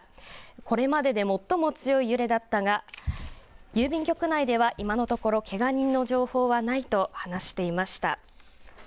これまでで最も強い揺れだったが郵便局内では今のところけが人の情報はないと話していました。